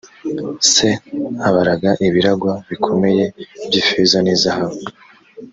se abaraga ibiragwa bikomeye by ifeza n izahabu